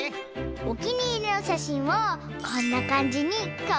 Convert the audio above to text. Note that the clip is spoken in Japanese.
おきにいりのしゃしんをこんなかんじにかわいくかざれるの。